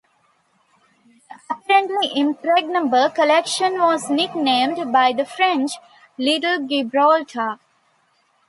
The apparently impregnable collection was nicknamed, by the French, "Little Gibraltar".